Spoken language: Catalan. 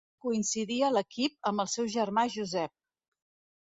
Coincidí a l'equip amb el seu germà Josep.